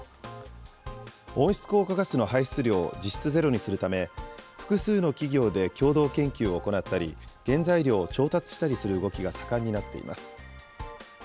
温室効果ガスの排出量を実質ゼロにするため、複数の企業で共同研究を行ったり、原材料を調達したりする動きが盛んになっています。